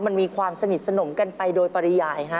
มันมีความสนิทสนมกันไปโดยปริยายฮะ